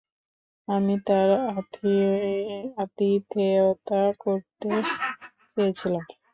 আমি তার আতিথেয়তা করতে চেয়েছিলাম।